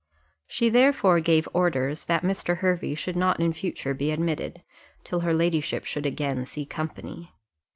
She therefore gave orders that Mr. Hervey should not in future be admitted, till her ladyship should again see company.